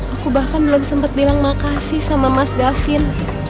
aku bahkan belum sempet bilang makasih sama mas gafin